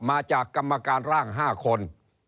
มาจากกรรมการร่าง๕คน